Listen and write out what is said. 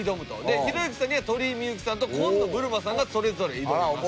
でひろゆきさんには鳥居みゆきさんと紺野ぶるまさんがそれぞれ挑みます。